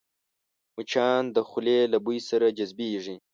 مچان د خولې له بوی سره جذبېږي